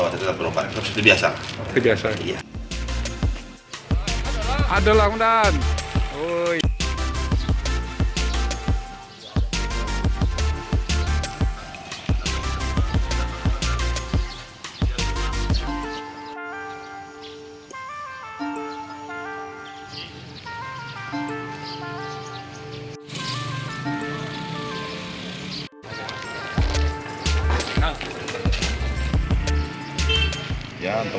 tidak perlu khawatir tetap beropan seperti biasa